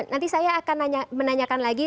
nanti saya akan menanyakan lagi